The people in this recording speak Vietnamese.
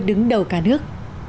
đứng đầu cả nước